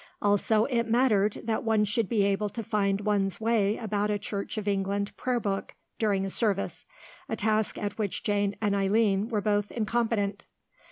Also it mattered that one should be able to find one's way about a Church of England Prayer Book during a service, a task at which Jane and Eileen were both incompetent.